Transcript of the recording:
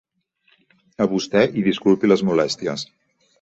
A vostè, i disculpi les molèsties.